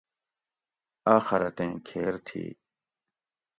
"آۤخرتیں کھیر تھی"""